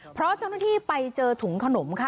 เพราะเจ้าหน้าที่ไปเจอถุงขนมค่ะ